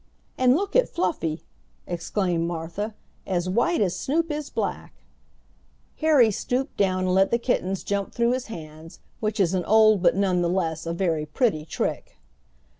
"And look at Fluffy!" exclaimed Martha; "as white as Snoop is black!" Harry stooped down and let the kittens jump through his hands, which is an old but none the less a very pretty trick.